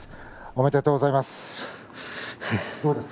おめでとうございます。